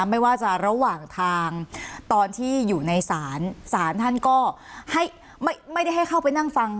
ไม่ว่าจะระหว่างทางตอนที่อยู่ในศาลศาลท่านก็ให้ไม่ได้ให้เข้าไปนั่งฟัง